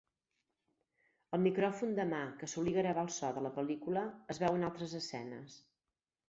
El micròfon de mà que solia gravar el so de la pel·lícula es veu en altres escenes.